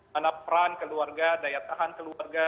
mana peran keluarga daya tahan keluarga